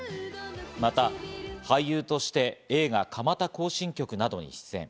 また、俳優として映画『蒲田行進曲』などに出演。